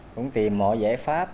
cũng tìm mọi giải pháp